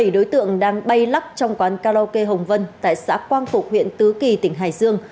bảy đối tượng đang bay lắc trong quán karaoke hồng vân tại xã quang phục huyện tứ kỳ tỉnh hải dương